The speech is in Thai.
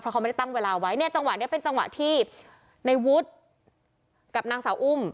เขาไม่ได้ตั้งเวลาไว้เนี่ยจังหวะนี้เป็นจังหวะที่ในวุฒิกับนางสาวอุ้ม